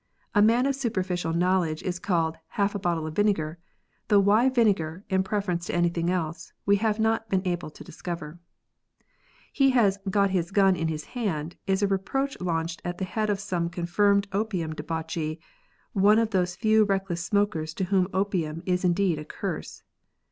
A man of superficial knowledge is called half a bottle of vinegar, though why vinegar, in preference to anything else, we have not been able to discover. He has always got his gun in his hand is a reproach launched at the head of some confirmed opium debauchee, one of those few reckless smokers to whom opium is indeed a curse.